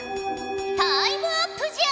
タイムアップじゃ。